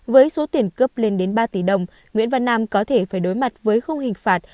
với số tiền cướp lên đến ba tỷ đồng nguyễn văn nam có thể phải đối mặt với không hình phạt